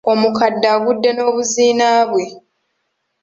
Omukadde agudde n’obuziina bwe.